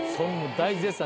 大絶賛。